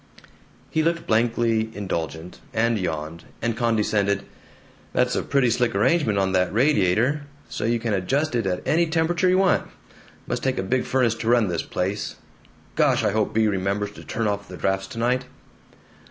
He looked blankly indulgent, and yawned, and condescended, "That's a pretty slick arrangement on the radiator, so you can adjust it at any temperature you want. Must take a big furnace to run this place. Gosh, I hope Bea remembers to turn off the drafts tonight."